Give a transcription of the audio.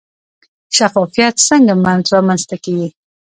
شفافیت څنګه رامنځته کیږي؟